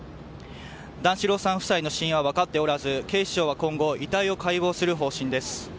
段四郎さん夫妻の死因は分かっておらず警視庁は今後遺体を解剖する方針です。